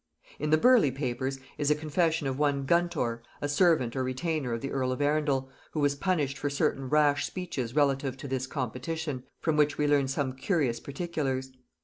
In the Burleigh Papers is a confession of one Guntor, a servant or retainer of the earl of Arundel, who was punished for certain rash speeches relative to this competition, from which we learn some curious particulars.